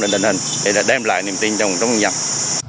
để đem lại niềm tin trong nguồn chống nhân dân